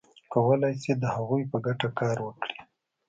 کولای شي د هغوی په ګټه کار وکړي.